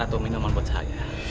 atau minuman buat saya